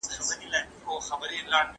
الله تعالی خپل حق بنده ته بخښلی سي.